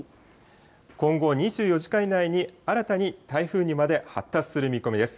今後２４時間以内に新たに台風にまで発達する見込みです。